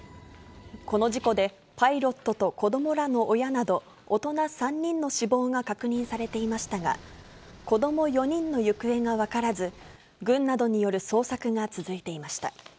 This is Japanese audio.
この事故で、パイロットと子どもらの親など、大人３人の死亡が確認されていましたが、子ども４人の行方が分からず、軍などによる捜索が続いていました。